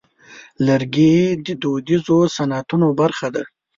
لرګی د دودیزو صنعتونو برخه ده.